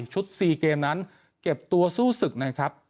๔เกมนั้นเก็บตัวสู้ศึกนะครับ